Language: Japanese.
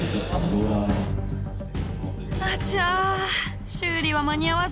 あちゃ修理は間に合わず。